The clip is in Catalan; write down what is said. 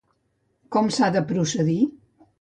Com s'ha de procedir?